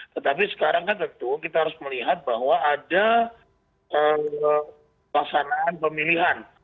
tetapi sekarang kan tentu kita harus melihat bahwa ada pelaksanaan pemilihan